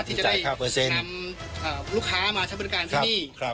ที่จะได้นำลูกค้ามาใช้บริการที่นี่